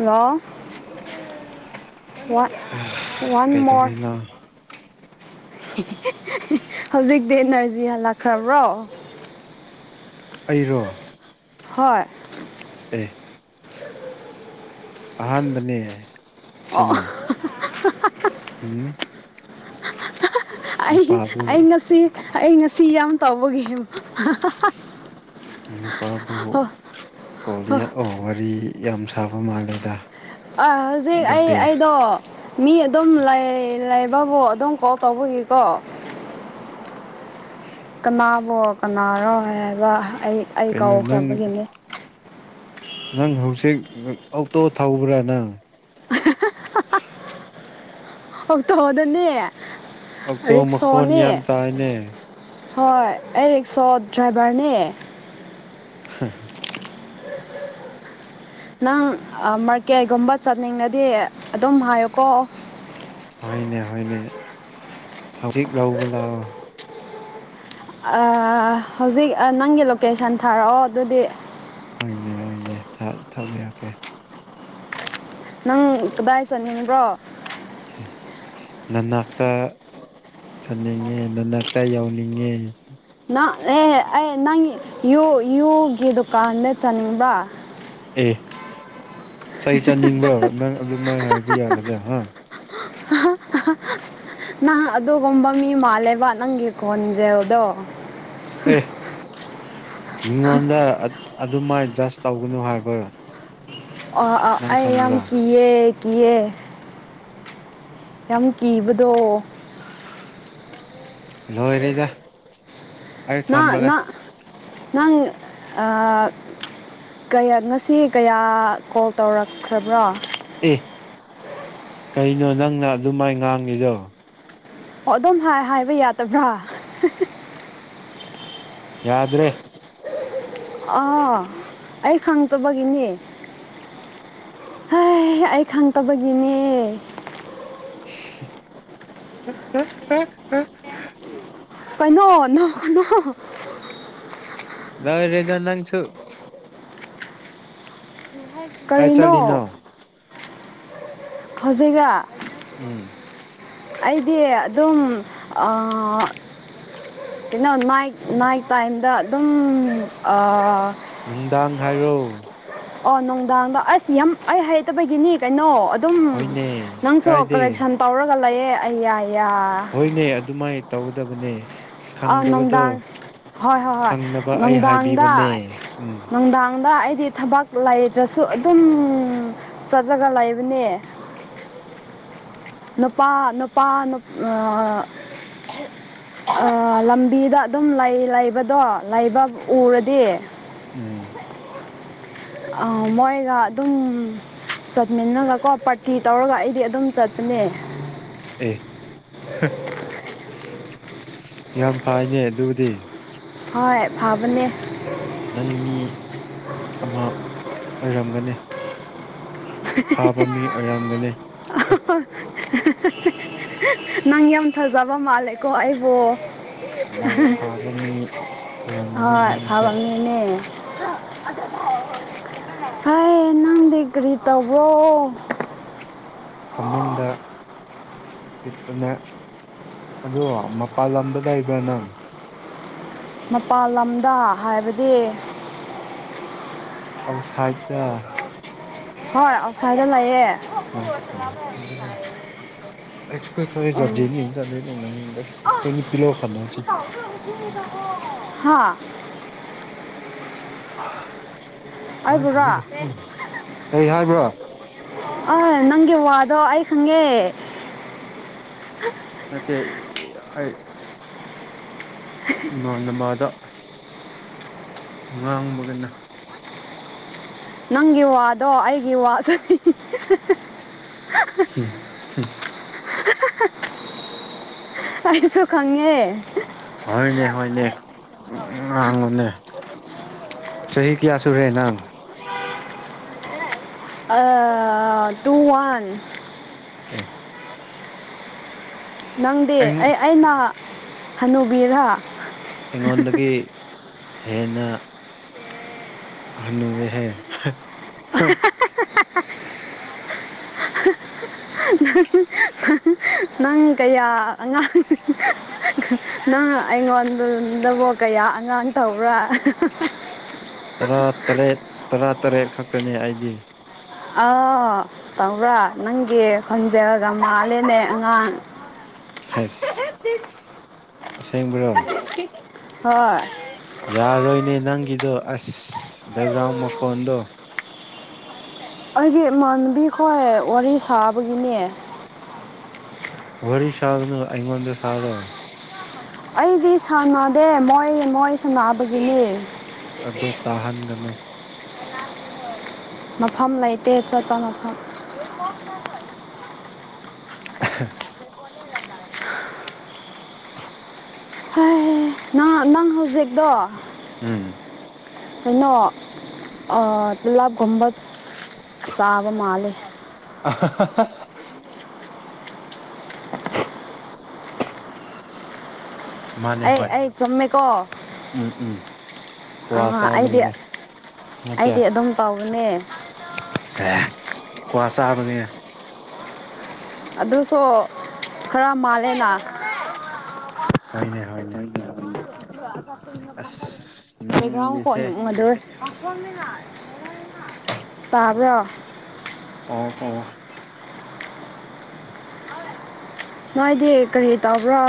hello one one ꯃꯣꯔ ꯀꯩꯗꯧꯔꯤꯅꯣ ꯍꯧꯖꯤꯛꯇꯤ ꯏꯅꯔꯖꯤ ꯍꯜꯂꯛꯈ꯭ꯔꯕ꯭ꯔꯣ ꯑꯩꯔꯣ ꯍꯣꯏ ꯑꯦ ꯑꯍꯥꯟꯕꯅꯦ ꯑꯣ ꯁꯤꯅ ꯎꯝ ꯑꯩ ꯅꯨꯄꯥꯕꯨ ꯑꯩ ꯉꯁꯤ ꯑꯩ ꯉꯁꯤ ꯌꯥꯝ ꯇꯧꯕꯒꯤ ꯅꯨꯄꯥꯕ ꯀꯣꯜꯗ ꯌꯥꯑꯣ ꯋꯥꯔꯤ ꯌꯥꯝ ꯁꯥꯕ ꯃꯥꯜꯂꯦꯗ ꯑ ꯍꯧꯖꯤꯛ ꯑꯩ ꯑꯗꯨꯗꯤ ꯑꯩꯗꯣ ꯃꯤ ꯑꯗꯨꯝ ꯂꯩꯕꯕꯨ ꯑꯗꯨꯝ ꯀꯣꯜ ꯇꯧꯕꯒꯤꯀꯣ ꯀꯅꯥꯕꯣ ꯀꯅꯥꯔꯣ ꯍꯥꯏ ꯍꯥꯏꯕ ꯑꯩ ꯑꯩ ꯀꯩꯅꯣ ꯅꯪ ꯀꯥꯎꯈ꯭ꯔꯕꯒꯤꯅꯤ ꯅꯪ ꯍꯧꯖꯤꯛ ꯑꯣꯛꯇꯣ ꯊꯧꯕ꯭ꯔꯥ ꯅꯪ [inaudible] ꯑꯣꯛꯇꯣꯗꯅꯦ ꯑꯣꯛꯇꯣ ꯃꯈꯣꯟ ꯌꯥꯝ ꯔꯤꯛꯁꯣꯅꯦ ꯇꯥꯌꯦꯅꯦ ꯍꯣꯏ ꯑꯩ ꯔꯤꯛꯁꯣ ꯗ꯭ꯔꯥꯏꯚꯔ ꯅꯦ ꯍ ꯅꯪ ꯃꯥꯔꯀꯦꯠ ꯒꯨꯝꯕ ꯆꯠꯅꯤꯡꯂꯗꯤ ꯑꯗꯨꯝ ꯍꯥꯏꯌꯨꯀꯣ ꯍꯣꯏꯅꯦ ꯍꯣꯏꯅꯦ ꯍꯧꯖꯤꯛ ꯂꯧꯕ ꯂꯥꯛꯑꯣ ꯑꯥ ꯍꯧꯖꯤꯛ ꯅꯪꯒꯤ ꯂꯣꯀꯦꯁꯟ ꯊꯥꯔꯛꯑꯣ ꯑꯗꯨꯗꯤ ꯍꫭꯏꯅꯦ ꯍꫭꯏꯅꯦ ꯊꯥꯔꯛ ꯊꯥꯕꯤꯔꯛꯀꯦ ꯅꯪ ꯀꯗꯥꯏ ꯆꯠꯅꯤꯡꯕ꯭ꯔꯣ ꯅꯟꯅꯥꯛꯛꯇ ꯆꯟꯅꯤꯡꯉꯦ ꯅꯅꯥꯛꯇ ꯌꯧꯅꯤꯡꯉꯦ ꯅꯪ ꯑꯦ ꯑꯩ ꯅꯪ ꯌꯨꯒꯤ ꯗꯨꯀꯥꯟꯗ ꯆꯥꯠꯅꯤꯡꯕ꯭ꯔ ꯑꯦ ꯆꯩ ꯆꯥꯅꯤꯡꯕ꯭ꯔꫭ ꯅꯪ ꯑꯗꯨꯃꯥꯏꯅ ꯍꯥꯏꯕ ꯌꯥꯒꯗ꯭ꯔ ꯍꯥ [unintelligible] [unintelligible] ꯅꯪ ꯑꯗꯨꯒꯨꯝꯕ ꯃꯤ ꯃꯥꯜꯂꯦꯕ ꯅꯪꯒꯤ ꯈꫭꯟꯖꯦꯜꯗꯣ ꯑꯦ ꯃꯤꯉꯣꯟꯗ ꯑꯗꯨꯃꯥꯏ ꯖꯁ ꯇꯧꯒꯅꯨ ꯍꯥꯏꯕ [unintelligible] ꯅꯪ ꯑꯩ ꯌꯥꯝ ꯈꯪꯕ꯭ꯔꯣ ꯀꯤꯌꯦ ꯀꯤꯌꯦ ꯌꯥꯝ ꯀꯤꯕꯗꯣ ꯂꯣꯏꯔꯤꯗ ꯅꯥ ꯅꯥ ꯅꯪ ꯑꯥ ꯀꯌꯥ ꯉꯁꯤ ꯀꯌꯥ ꯀꯣꯜ ꯇꯧꯔꯛꯈ꯭ꯔꯕ꯭ꯔꯣ ꯑꯦ ꯀꯩꯅꯣ ꯅꯪꯅ ꯑꯗꯨꯃꯥꯏ ꯉꯥꯡꯉꯤꯗꯣ ꯑꯣ ꯑꯗꯨꯝ ꯍꯥꯏ ꯍꯥꯏꯕ ꯌꯥꯗꯕ꯭ꯔꯥ ꯌꯥꯗ꯭ꯔꯦ ꯑꯥ ꯑꯩ ꯈꯪꯇꯕꯒꯤꯅꯤ ꯍꯦꯏ ꯑꯩ ꯈꯪꯇꯕꯒꯤꯅꯦ [unintelligible] [unintelligible] ꯀꯩꯅꯣ ꯅꯣꯛꯀꯅꯣ ꯂꯣꯏꯔꯦꯗ ꯅꯪꯁꯨ [inaudible] ꯀꯥꯏ ꯀꯔꯤꯅꯣ ꯆꯠꯂꯤꯅꯣ ꯍꯧꯖꯤꯛꯔ ꯎꯝ ꯑꯩꯗꯤ ꯑꯗꯨꯝ ꯑꯥ ꯀꯩꯅꯣ ꯅꯥꯏꯠ ꯅꯥꯏꯠ ꯇꯥꯏꯝꯗ ꯑꯗꯨꯝ ꯑꯥ ꯅꯨꯡꯗꯥꯡ ꯍꯥꯏꯔꯣ ꯑꯣ ꯅꯨꯡꯗꯥꯡꯗ ꯑꯁ ꯌꯥꯝ ꯑꯩ ꯍꯩꯇꯕꯒꯤꯅꯤ ꯀꯩꯅꯣ ꯑꯗꯨꯝ ꯍꯣꯏꯅꯦ ꯅꯪꯁꯨ ꯀꯥꯏꯗꯦ ꯀꯔꯦꯛꯁꯟ ꯇꯧꯔꯒ ꯂꯩꯌꯦ ꯑꯩꯌꯥ ꯌꯥ ꯍꯣꯏꯅꯦ ꯑꯗꯨꯃꯥꯏꯅ ꯇꯧꯒꯗꯕꯅꯦ ꯑꯥ ꯈꯪꯗꯕꯗꯣ ꯅꯨꯡꯗꯥꯡ ꯍꯣꯏ ꯍꯣꯏ ꯍꯣꯏ ꯈꯪꯅꯕ ꯑꯩ ꯅꯨꯡꯗꯥꯡꯗ ꯍꯥꯏꯕꯤꯕꯅꯦ ꯎꯝ ꯅꯨꯡꯗꯥꯡꯗ ꯑꯩꯗꯤ ꯊꯥꯕꯛ ꯂꯩꯇ꯭ꯔꯥꯁꯨ ꯑꯗꯨꯝ ꯆꯠꯂꯒ ꯂꯩꯕꯅꯤ ꯅꯨꯄꯥ ꯅꯨꯄꯥ ꯅꯨꯞ ꯑꯥ ꯑꯥ ꯂꯝꯕꯤꯗ ꯑꯗꯨꯝ ꯂꯩ ꯂꯩꯕꯗꯣ ꯂꯩꯕꯛ ꯎꯔꯥꯗꯤ ꯎꯝ ꯑꯥ ꯃꯣꯏꯒ ꯑꯗꯨꯝ ꯆꯠꯃꯤꯟꯅꯒ ꯀꯣ ꯄꯥꯔꯇꯤ ꯇꯧꯔꯒ ꯑꯩꯗꯤ ꯑꯗꯨꯝ ꯆꯠꯄꯅꯦ ꯑꯦ ꯌꯥꯝ ꯐꯥꯏꯅꯦ ꯑꯗꯨꯗꯤ ꯍꯣꯏ ꯐꯥꯕꯅꯦ ꯅꯪ ꯃꯤ ꯑꯃ ꯑꯣꯏꯔꯝꯒꯅꯤ ꯑꯐꯥꯕ ꯃꯤ ꯑꯣꯏꯔꯝꯒꯅꯤ [unintelligible] ꯅꯪ ꯌꯥꯝ ꯐꯖꯕ ꯃꯥꯜꯂꯦꯀꯣ ꯑꯩꯕꯨ ꯌꯥꯝ ꯐꯥꯕ ꯃꯤ ꯑꯣꯏꯔꯝꯒꯅꯤ ꯍꯣꯏ ꯅꯪꯁꯦ [unintelligible] ꯍꯩ ꯅꯪ ꯗꯤ ꯀ꯭ꯔꯤ ꯇꯧꯕ꯭ꯔꯣ ꯐꯃꯨꯡꯗ ꯑꯗꯣ ꯃꯄꯥꯟ ꯂꯝꯗ ꯂꯩꯕ꯭ꯔꯥ ꯅꯪ ꯃꯄꯥꯜ ꯂꯝꯗ ꯍꯥꯏꯕꯗꯤ ꯑꯣꯠꯁꯥꯏꯠꯇ ꯍꯣꯏ ꯑꯣꯠꯁꯥꯏꯠꯗ ꯂꯩꯌꯦ ꯅꯪ ꯎꯝ [unintelligible] ꯍꯥꯥ ꯑꯩꯕꯨꯔꯣ [unintelligible] ꯀꯔꯤ ꯍꯥꯏꯕ꯭ꯔꯣ ꯑꯥꯏ ꯅꯪꯒꯤ ꯋꯥꯗꯣ ꯑꯩ ꯈꯪꯉꯦ ꯅꯠꯇꯦ ꯑꯩ ꯏꯃꯥꯟꯅꯃꯥꯗ ꯉꯥꯡꯕꯒꯅꯦ ꯅꯪꯒꯤ ꯋꯥꯗꯣ ꯑꯩꯒꯤ ꯋꯥꯁꯨꯅꯤ [unintelligible] ꯑꯩꯁꯨ ꯈꯪꯉꯦ ꯍꯣꯏꯅꯦ ꯍꯣꯏꯅꯦ ꯉꯥꯡꯉꯨꯅꯦ ꯆꯍꯤ ꯀꯌꯥꯁꯨ ꯔꯦ ꯅꯪ ꯇꯨ ꯋꯥꯟ ꯑꯦ ꯅꯪꯗꯤ ꯑꯦ ꯑꯩꯅ ꯍꯟꯅꯨꯕꯤꯔ ꯑꯩꯉꯣꯟꯗꯒꯤ ꯍꯦꯟꯅ ꯍꯟꯅꯨꯋꯦꯍꯦ [unintelligible] [inaudible] [unintelligible] ꯅꯪ ꯀꯌꯥ ꯑꯉꯥꯡ ꯅꯪ ꯑꯩꯉꯣꯟꯗꯕꯨ ꯀꯌꯥ ꯑꯉꯥꯡ ꯇꯧꯕ꯭ꯔꯥ ꯇꯔꯥ ꯇꯔꯦꯠ ꯇꯔꯥ ꯇꯔꯦꯠ ꯈꯛꯇꯅꯦ ꯑꯩꯒꯤ ꯑ ꯇꯧꯕ꯭ꯔꯥ ꯅꯪꯒꯤ ꯈꯣꯟꯖꯔꯒ ꯃꯥꯜꯂꯦꯅꯦ ꯑꯉꯥꯡ [unintelligible] [inaudible] ꯑꯁꯦꯡꯕꯔꯣ [unintelligible] ꯍꯣꯏ ꯌꯥꯔꯣꯏꯅꯦ ꯅꯪꯒꯤꯗꯣ ꯑꯁ ꯕꯦꯛꯒ꯭ꯔꯥꯎꯟ ꯃꯈꯣꯟꯗꯣ ꯑꯩꯒꯤ ꯏꯃꯥꯟꯕꯤꯈ ꯋꯥꯔꯤ ꯁꯥꯕꯒꯤꯅꯦ ꯋꯥꯔꯤ ꯁꯥꯒꯅꯨ ꯑꯩꯉꯣꯟꯗ ꯁꯥꯔꫭ ꯑꯩꯗꯤ ꯁꯥꯟꯅꯗꯦ ꯃꯣꯏ ꯃꯣꯏ ꯁꯥꯟꯅꯕꯒꯤꯅꯦ ꯑꯗꫭ ꯇꯥꯍꯟꯒꯅꯨ ꯃꯐꯝ ꯂꯩꯇꯦ ꯆꯠꯄ ꯃꯐꯝ [inaudible] [unintelligible] [inaudible] ꯍꯥꯏ ꯅ ꯅꯪ ꯍꯧꯖꯤꯛꯇꯣ ꯎꯝ ꯀꯩꯅꫭ ꯑ ꯇꯂꯞꯀꯨꯝꯕ ꯆꯥꯕ ꯃꯥꯂꯦ [unintelligible] ꯃꯥꯅꯦ ꯑꯩ ꯍꯣꯏ ꯑꯩ ꯆꯨꯝꯃꯦꯀꯣ ꯎꯝ ꯎꯝ ꯑ ꯀ꯭ꯋꯥ ꯑꯩꯗꯤ ꯆꯥꯕꯒꯤꯅꯦ ꯑꯩꯗꯤ ꯑꯗꯨꯝ ꯇꯥꯎꯒꯅꯦ ꯑꯦ ꯀ꯭ꯋꯥ ꯆꯥꯕꯅꯤ ꯑꯗꯨꯁꯨ ꯈꯔ ꯃꯥꯜꯂꯦꯅ ꯍꫭꯏꯅꯦ ꯍꫭꯏꯅꯦ ꯕ꯭ꯂꯦꯛꯒ꯭ꯔꯥꯎꯟ [unintelligible] ꯅꯪꯒꯤꯁꯦ [unintelligible] ꯇꯥꯕ꯭ꯔꯣ ꯇꯥꯏ ꯇꯥꯏ ꯅꯣꯏꯗꯤ ꯀꯔꯤ ꯇꯧꯕ꯭ꯔꯣ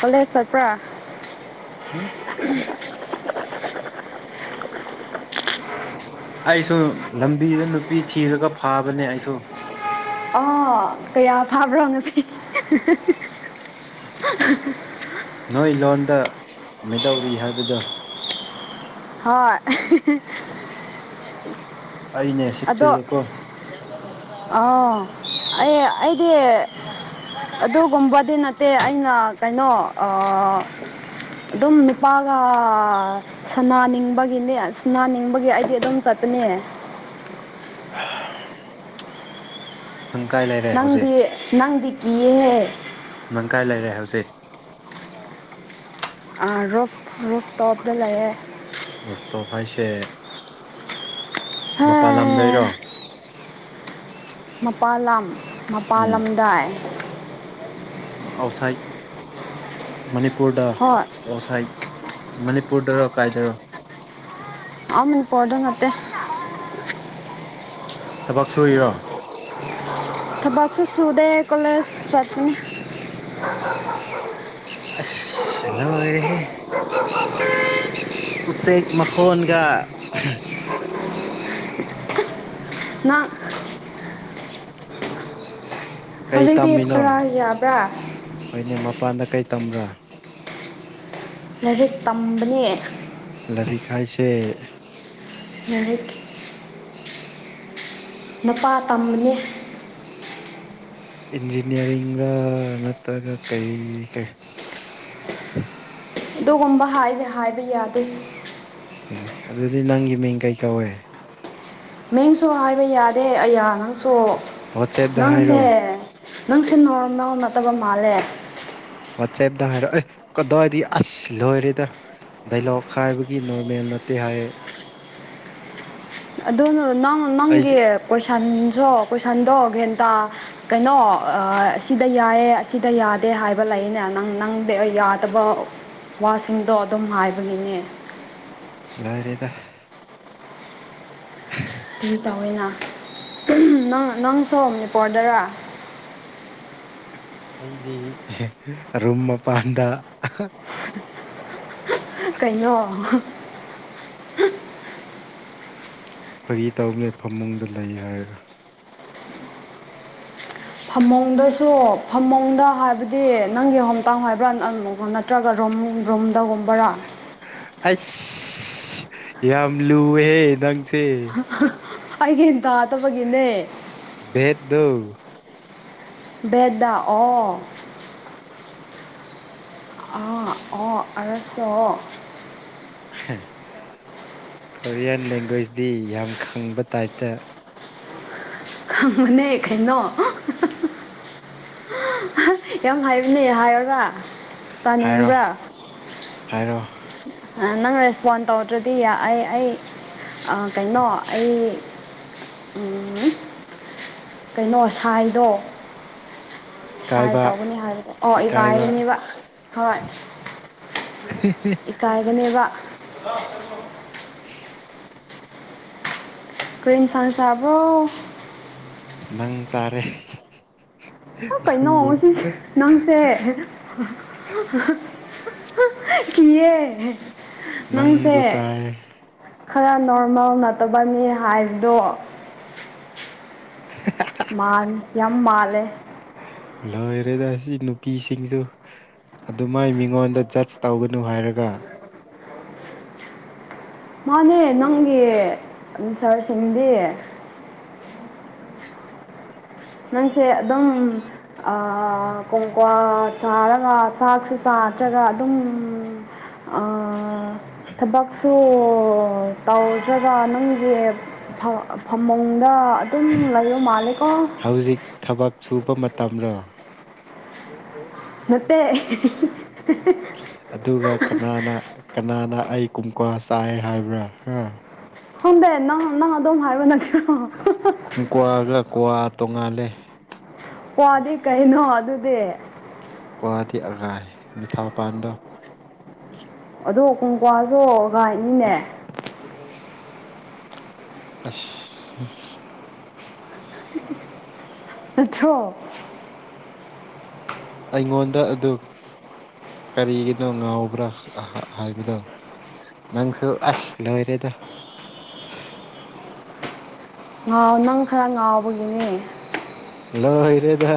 ꯀꯣꯂꯦꯖ ꯆꯠꯄ꯭ꯔꯥ ꯎꯝ [unintelligible] ꯑꯩꯁꯨ ꯂꯝꯕꯤꯗ ꯅꯨꯄꯤ ꯊꯤꯔꯒ ꯐꯥꯕꯅꯦ ꯑꯩꯁꯨ ꯑꯥ ꯀꯌꯥ ꯐꯥꯕ꯭ꯔꯣ ꯉꯁꯤ [unintelligible] ꯅꯣꯏ ꯂꯣꯟꯗ ꯃꯩꯗꯧꯔꯤ ꯍꯥꯏꯕꯗꯣ ꯍꯣꯏ [unintelligible] ꯑꯩꯅꯦ ꯆꯦꯛꯁꯤꯜꯂꯨ ꯀꯣ ꯑꯥ ꯑꯩ ꯑꯩꯗꯤ ꯑꯗꯨꯒꯨꯝꯕꯗꯤ ꯅꯠꯇꯦ ꯑꯩꯅ ꯀꯩꯅꯣ ꯑꯗꯨꯝ ꯅꯨꯅꯤꯄꯥꯒ ꯁꯅꯥꯅꯤꯡꯕꯒꯤꯅꯦ ꯁꯅꯥꯅꯤꯡꯕꯒꯤ ꯑꯩꯗꯤ ꯑꯗꯨꯝ ꯆꯠꯄꯅꯦ [inaudible] ꯅꯪ ꯀꯥꯏ ꯂꯩꯔꯦ ꯍꯧꯖꯤꯛ ꯅꯪꯗꯤ ꯅꯪꯗꯤ ꯀꯤꯌꯦꯍꯦ ꯅꯪ ꯀꯥꯏ ꯂꯩꯔꯦ ꯍꯧꯖꯤꯛ ꯔꯣꯐ ꯔꯣꯐ ꯇꯣꯞꯗ ꯂꯩꯌꯦ ꯔꯣꯁꯇꯣꯞ ꯍꯥꯏꯁꯦ ꯃꯄꯥꯟ ꯂꯝꯗꯔꯣ ꯃꯄꯥꯥꯟꯜ ꯂꯝ ꯎꯝ ꯃꯄꯥꯜꯂꯝꯗꯥꯏ ꯑꯥꯎꯠꯁꯥꯏꯠ ꯃꯅꯤꯄꯨꯔꯗ ꯍꯣꯏ ꯑꯥꯎꯠꯁꯥꯏꯠ ꯃꯅꯤꯄꯨꯔꯗꯔꯣ ꯀꯥꯏꯗꯔꯣ ꯑ ꯃꯅꯤꯄꯣꫪꯗ ꯅꯠꯇꯦ ꯊꯕꯛ ꯁꯨꯔꯤꯔꯣ ꯊꯕꯥꯛꯁꯨ ꯁꯨꯗꯦ ꯀꫭꯂꯦꯖ ꯆꯠꯅꯤ ꯑꯁ ꯂꫭꯏꯔꯦꯍꯦ ꯎꯆꯦꯛ ꯃꯈꯣꯟꯒ [unintelligible] ꯅꯪ ꯀꯩ ꯍꯧꯖꯤꯩꯗꯤ ꯇꯝꯃꯤꯅꯣ ꯈꯔ ꯌꯥꯕ꯭ꯔꯥ ꯍꯣꯏꯅꯦ ꯃꯄꯥꯟꯗ ꯀꯩ ꯇꯝꯕ꯭ꯔꯥ ꯂꯥꯏꯔꯤꯛ ꯇꯝꯕꯅꯦ ꯂꯥꯏꯔꯤꯛ ꯍꯥꯏꯁꯦ ꯂꯥꯏꯔꯤꯛ ꯅꯨꯄꯥ ꯇꯝꯕꯅꯦ ꯏꯟꯖꯤꯅꯤꯌꯥꯔꯤꯡꯒ ꯅꯠꯇ꯭ꯔꯒ ꯀꯩ ꯀꯩ ꯑꯗꯨꯒꯨꯝꯕ ꯍꯥꯏꯁꯦ ꯍꯥꯏꯕ ꯌꯥꯗꯦ ꯑꯩꯣꯏꯅꯦ ꯑꯗꯨꯗꯤ ꯅꯪꯒꯤ ꯃꯤꯡ ꯀꯩ ꯀꯧꯋꯦ ꯃꯤꯡꯁꯨ ꯍꯥꯏꯕ ꯌꯥꯗꯦ ꯑꯌꯥ ꯅꯪꯁꯨ ꯋꯥꯆꯦꯞꯇ ꯅꯪꯁꯦ ꯍꯥꯏꯔꯣ ꯅꯪ ꯁꯤ ꯅꫭꫪꯃꯦꯜ ꯅꯠꯇꯕ ꯃꯥꯜꯂꯦ ꯋꯥꯆꯦꯞꯇ ꯍꯥꯏꯔꯣ ꯑꯦ ꯀꯗꯋꯥꯗꯤ ꯑꯁ ꯂꯣꯏꯔꯦꯗ ꯗꯥꯏꯂꯣꯛ ꯈꯥꯏꯕꯒꯤ ꯅꯣꯔꯃꯦꯜ ꯅꯠꯇꯦ ꯍꯥꯏꯌꯦ ꯑꯗꯨꯅ ꯅꯪ ꯑꯩꯁꯦ ꯅꯪꯒꯤ ꯀꯣꯏꯁꯟꯁꯨ ꯀꯣꯏꯁꯟꯗꯣ ꯍꯦꯟꯇꯥ ꯀꯩꯅꯣ ꯑꯁꯤꯗ ꯌꯥꯏꯌꯦ ꯑꯁꯤꯗ ꯌꯥꯗꯦ ꯍꯥꯏꯕ ꯂꯩꯅꯦ ꯅꯪ ꯅꯪꯗꯤ ꯌꯥꯗꯕ ꯋꯥꯁꯤꯡꯗꯣ ꯑꯗꯨꯝ ꯍꯥꯏꯕꯒꯤꯅꯦ ꯂꯣꯏꯔꯦꯗ [unintelligible] ꯀꯔꯤ ꯇꯧꯋꯦꯅ ꯅꯪ ꯅꯪꯁꯨ ꯃꯅꯤꯄꯨꯔꯗꯔꯥ ꯑꯩꯗꯤ ꯔꯨꯝ ꯃꯄꯥꯟꯗ [unintelligible] ꯀꯩꯅꯣ ꯐꯒꯤ ꯇꯧꯅꯦ ꯐꯃꯨꯡꯗ ꯂꯩ ꯍꯥꯏꯔꯒ ꯐꯃꯨꯡꯗꯁꯨ ꯐꯃꯣꯡꯗ ꯍꯥꯏꯕꯗꯤ ꯅꯪꯒꯤ ꯍꯣꯝꯇꯥꯡ ꯍꯥꯏꯕ꯭ꯔꯥ ꯅꯠꯇ꯭ꯔꯒ ꯔꯣꯝ ꯔꯨꯝꯗꯒꯨꯝꯕꯔꯥ ꯑꯁ ꯌꯥꯝ ꯂꯨꯑꯦꯍꯦ ꯅꯪꯁꯦ ꯑꯩꯒꯤ ꯏꯟ ꯇꯗꯕꯒꯤꯅꯦ ꯕꯦꯗ ꯕꯦꯗꯥꯑꯣ ꯑꯥ ꯑꯣ ꯑꯣ ꯑꯣ ꯀꯣꯔꯤꯌꯥꯟ ꯂꯦꯡꯒ꯭ꯋꯦꯖꯇꯤ ꯌꯥꯝ ꯈꯪꯕ ꯇꯥꯏꯞꯇ ꯈꯪꯅꯦ ꯑꯩꯈꯥꯏꯅꯣ ꯌꯥꯝ ꯍꯥꯏꯕꯅꯦ ꯍꯥꯏꯔꯔꯕ ꯍꯥꯏꯔꯣ ꯍꯥꯏꯔꯣ ꯅꯪ ꯔꯦꯁꯄꯣꯟ ꯇꯧꯗ꯭ꯔꯗꯤ ꯑꯩ ꯑꯩ ꯀꯩꯅꯣ ꯑꯩ ꯀꯩꯅꯣ ꯁꯥꯏꯗꯣ ꯁꯨꯥꯏ ꯏꯀꯥꯏꯕ ꯇꯧꯒꯅꯤ ꯍꯥꯏꯕꯗꯣ ꯑꯣ ꯏꯀꯥꯏꯕ ꯏꯒꯥꯏꯔꯅꯦꯕ ꯍꯣꯏ ꯀ ꯏꯀꯥꯏꯒꯅꯦꯕ [unintelligible] ꯀ꯭ꯔꯔꯤꯦꯟꯁꯥꯟꯁꯦ ꯑꯕꯣ ꯅꯪ ꯆꯥꯔꯦ ꯀꯩꯅꯣ ꯅꯪꯕꯨ ꯉꯁꯤꯁꯦ ꯅꯪꯁꯦ ꯀꯤꯌꯦ ꯅꯪꯁꯦ ꯅꯪꯕꯨ ꯆꯥꯔꯦ ꯈꯔ ꯅꯣꯔꯃꯦꯜ ꯅꯠꯇꯕꯅꯤ ꯍꯥꯏꯕꯗꯣ ꯃꯥ ꯌꯥꯝ ꯃꯥꯜꯂꯦ ꯂꯣꯏꯔꯦꯗ ꯁꯤ ꯅꯨꯄꯤꯁꯤꯡꯁꯨ ꯑꯗꯨꯃꯥꯏ ꯃꯤꯉꯣꯟꯗ ꯖꯁ ꯇꯧꯒꯅꯨ ꯍꯥꯏꯔꯒ ꯃꯥꯅꯦ ꯅꯪꯒꯤ ꯁꯥꯔꯁꯤꯡꯗꯤ ꯁꯤꯌꯥ ꯅꯪꯁꯦ ꯑꯗꯨꯝ ꯀꯣꯡꯀ꯭ ꯆꯥꯔꯒ ꯆꯥꯛꯁꯨ ꯆꯥꯇ꯭ꯔꯒ ꯑꯗꯨꯝ ꯎꯝ ꯊꯕꯛꯁꯨ ꯇꯧꯗ꯭ꯔꯕ ꯅꯅꯨꯡꯒꯤ ꯐꯃꯨꯡꯗ ꯑꯗꯨꯝ ꯂꯩꯕ ꯃꯥꯜꯂꯦꯀꯣ ꯍꯧꯖꯤꯛ ꯊꯕꯛ ꯁꯨꯕ ꯃꯇꯝꯔꯣ ꯀ ꯆ ꯅꯠꯇꯦ ꯑꯗꯨꯒ ꯀꯅꯥꯅ ꯀꯅꯥꯅ ꯑꯩ ꯀꯨꯝꯀ꯭ ꯆꯥꯏ ꯍꯥꯏꯕ꯭ꯔꯥ ꯍꯥ ꯍꯣꯟꯗꯦ ꯅꯪ ꯅꯪ ꯑꯗꯨꯝ ꯍꯥꯏꯕ ꯅꯠꯇꯦꯣ ꯀ꯭ꯋꯥꯒ ꯀ꯭ꯋꯥ ꯇꯣꯡꯉꯥꯜꯂꯦ ꯋꯥꯗꯤ ꯀꯩꯅꯣ ꯑꯗꯨꯗꯤ ꯀꯋꯥꯗꯤ ꯑꯒꯥ ꯃꯤꯊꯥ ꯄꯥꯟꯗꯥꯣ ꯑꯗꯨꯗꯣ ꯀꯨꯡꯀ꯭ꯋꯥꯁꯨ [inaudible] ꯑꯆꯣ ꯑꯩꯉꯣꯟꯗ ꯑꯗꯨ ꯀꯔꯤꯒꯤꯅꯣ ꯉꯥꯎꯕ꯭ꯔꯥ ꯍꯥꯏꯕꯗꯣ ꯅꯪꯁꯨ ꯑꯁ ꯂꯣꯏꯔꯦꯗ ꯉꯥꯎ ꯅꯪ ꯈꯔ ꯉꯥꯎꯕꯒꯤꯅꯦ ꯍꯜꯂꯣ ꯍꯤꯔꯦꯗ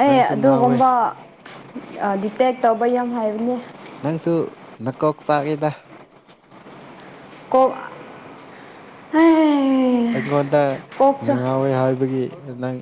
ꯑꯩ ꯑꯗꯨꯒꯨꯝꯕ ꯗꯤꯇꯦꯛ ꯇꯧꯕ ꯌꯥꯝ ꯍꯥꯏꯕꯅꯦ ꯅꯪꯁꯨ ꯅꯀꯣꯛ ꯆꯥꯛꯏꯗ ꯀ‌ꯣꯛ ꯑꯩꯉꯣꯟꯗ ꯆꯥꯛ ꯅꯨꯡꯉꯥꯎꯋꯦ ꯍꯥꯏꯕꯒꯤ ꯅꯪ